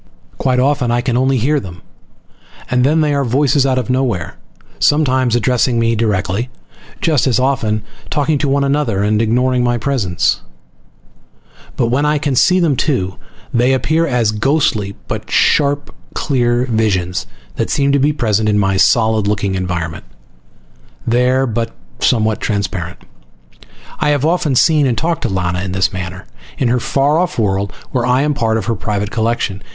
Quite often I can only hear them, and then they are voices out of nowhere, sometimes addressing me directly, just as often talking to one another and ignoring my presence. But when I can see them too, they appear as ghostly but sharply clear visions that seem to be present in my solid looking environment. There, but somewhat transparent. I have often seen and talked to Lana in this manner, in her far off world, where I am part of her private collection.